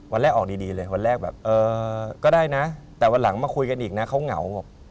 วันแรกแบบเออก็ได้นะแต่วันหลังมาคุยกันอีกนะเขาเหงา